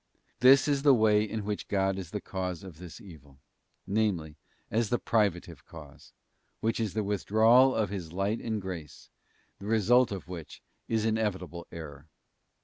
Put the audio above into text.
This is the way in which God is the cause of this evil; namely, as the privative cause, which is the withdrawal of His light and grace, the result of which is inevitable error.